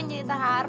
ini kan cerita haru